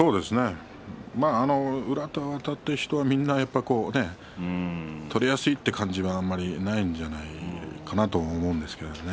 宇良とあたった人はみんな取りやすいという感じがないんじゃないかなと思いますね。